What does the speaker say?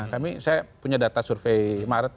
saya punya data survei maret dua ribu tiga belas